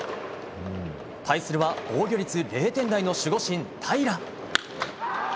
対するは防御率０点台の守護神・平良。